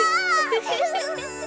フフフフ。